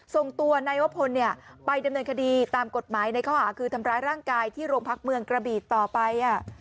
ส่งตัวนายวพลไปดำเนินคดีตามกฎหมายในข้อหาคือทำร้ายร่างกายที่โรงพักเมืองกระบีต่อไป